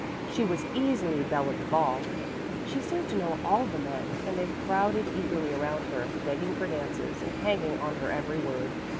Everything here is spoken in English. She was easily belle of the ball. She seemed to know all the men, and they crowded eagerly around her, begging for dances and hanging on her every word.